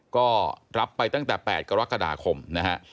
ก็รับไปตั้งแต่๘กรกฎาคมนะฮะ